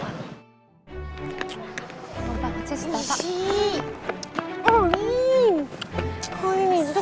gampang banget sih setelah pak